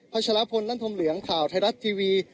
พัชลพลอัลอธมิเหลืองข่าวไทยรัททีวี